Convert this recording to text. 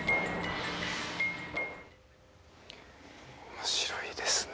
面白いですね。